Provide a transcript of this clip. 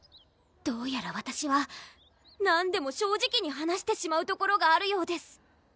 どうやらわたしは何でも正直に話してしまうところがあるようです